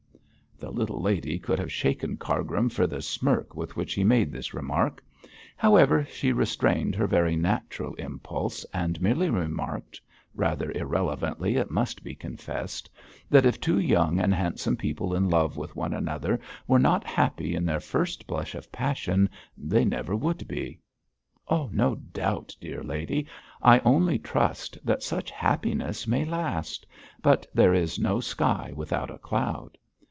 The little lady could have shaken Cargrim for the smirk with which he made this remark. However, she restrained her very natural impulse, and merely remarked rather irrelevantly, it must be confessed that if two young and handsome people in love with one another were not happy in their first blush of passion they never would be. 'No doubt, dear lady. I only trust that such happiness may last. But there is no sky without a cloud.'